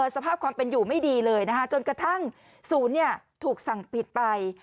สภาพความเป็นอยู่ไม่ดีเลยนะคะจนกระทั่งศูนย์ถูกสั่งปิดไป